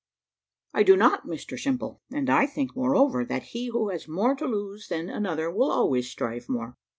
"I do not Mr Simple; and I think, moreover, that he who has more to lose than another will always strive more.